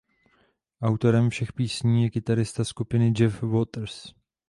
Autorem všech písní je kytarista skupiny Jeff Waters.